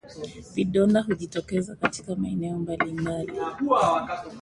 Vidonda hujitokeza katika maeneo mbalimbali